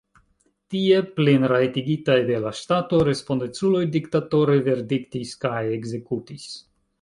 Tie, plenrajtigitaj de la ŝtato, respondeculoj diktatore verdiktis kaj ekzekutis.